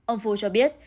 ông phu cho biết